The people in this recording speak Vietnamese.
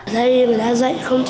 đây là dạy không